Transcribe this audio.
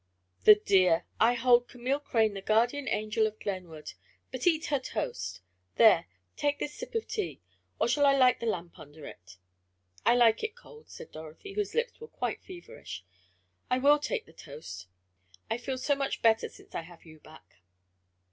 "The dear! I hold Camille Crane the guardian angel of Glenwood. But eat her toast. There, take this sip of tea, or shall I light the lamp under it?" "I like it cold," said Dorothy, whose lips were quite feverish. "I will take the toast I feel so much better since I have you back."